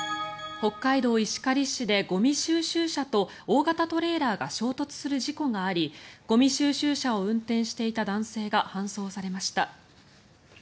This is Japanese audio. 北海道石狩市でゴミ収集車と大型トレーラーが衝突する事故がありゴミ収集車を運転していた男性が搬送されました。